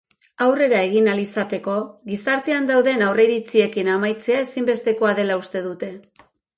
Aurrera egin ahal izateko, gizartean dauden aurreiritziekin amaitzea ezinbestekoa dela uste dute.